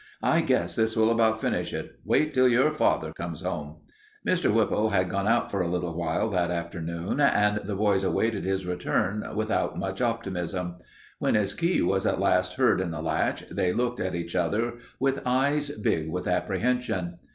"I guess this will about finish it. Wait till your father comes home." Mr. Whipple had gone out for a little while that afternoon, and the boys awaited his return without much optimism. When his key was at last heard in the latch they looked at each other with eyes big with apprehension.